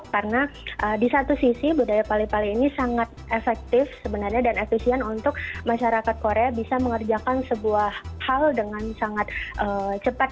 karena di satu sisi budaya pali pali ini sangat efektif sebenarnya dan efisien untuk masyarakat korea bisa mengerjakan sebuah hal dengan sangat cepat